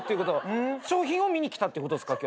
商品を見に来たってことですか？